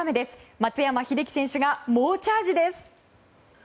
松山英樹選手が猛チャージです。